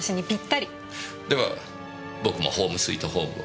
では僕もホームスイートホームを。